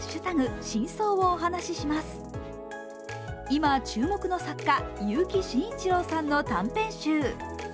今、注目の作家、結城真一郎さんの短編集。